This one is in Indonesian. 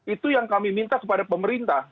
itu yang kami minta kepada pemerintah